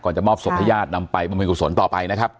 ก่อนจะมอบศพพยาศน์นำไปบริเวณคุณสนต่อไปนะครับ